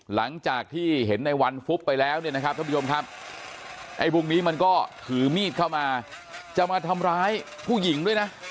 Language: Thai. หลังจากที่เห็นในวันฟุบไปแล้วเนี่ยนะครับท่านผู้ชมครับไอ้พวกนี้มันก็ถือมีดเข้ามาจะมาทำร้ายผู้หญิงด้วยนะ